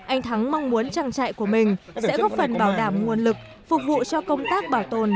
anh thắng mong muốn trang trại của mình sẽ góp phần bảo đảm nguồn lực phục vụ cho công tác bảo tồn